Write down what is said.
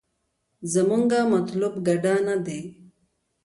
زمونګه مطلوب ګډا نه دې.